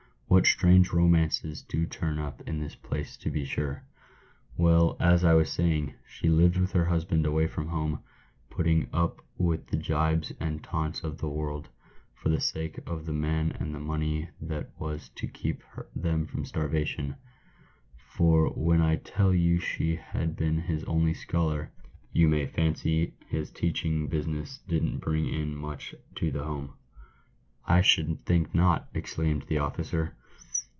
"What strange romances do turn up in this place to be sure ! "Well, as I was saying, she lived with her husband away from home, putting up with the jibes and taunts of the world for the sake of the man and the money that was to keep them from starvation ; for when I tell you she had been his only scholar, you may fancy his teaching business didn't bring in much to the home." " I should think not!" exclaimed the officer.